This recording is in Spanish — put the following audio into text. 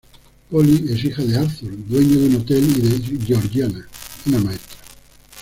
Polly es hija de Arthur, dueño de un hotel, y de Georgiana, una maestra.